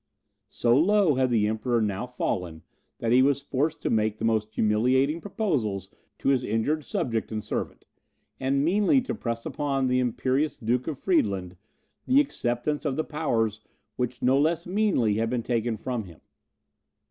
So low had the Emperor now fallen, that he was forced to make the most humiliating proposals to his injured subject and servant, and meanly to press upon the imperious Duke of Friedland the acceptance of the powers which no less meanly had been taken from him.